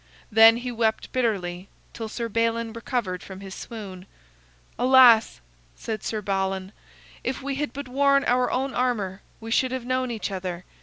Then he wept bitterly till Sir Balin recovered from his swoon. "Alas!" said Sir Balan, "if we had but worn our own armor we should have known each other.